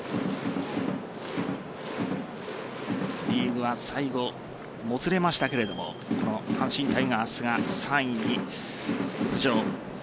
リーグは最後、もつれましたが阪神タイガースが３位に浮上。